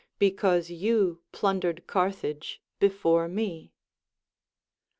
Be cause you plundered Carthage before me.